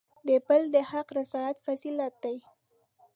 د بل د حق رعایت فضیلت دی.